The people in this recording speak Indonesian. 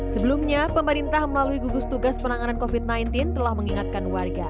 sebelumnya pemerintah melalui gugus tugas penanganan covid sembilan belas telah mengingatkan warga